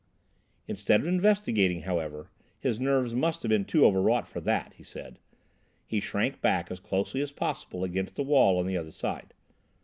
Instead of investigating, however,—his nerves must have been too overwrought for that, he said,—he shrank back as closely as possible against the wall on the other side.